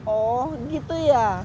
oh gitu ya